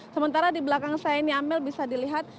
sementara di belakang saya ini amel bisa dilihat